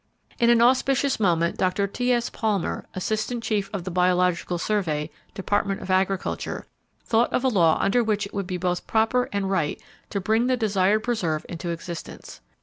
In an auspicious moment, Dr. T.S. Palmer, Assistant Chief of the Biological Survey, Department of Agriculture, thought of a law under which it would be both proper and right to bring the desired preserve into existence.